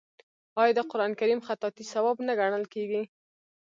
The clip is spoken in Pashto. آیا د قران کریم خطاطي ثواب نه ګڼل کیږي؟